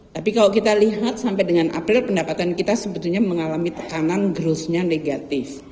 tapi kalau kita lihat sampai dengan april pendapatan kita sebetulnya mengalami tekanan growth nya negatif